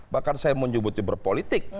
bahkan saya menyebutnya berpolitik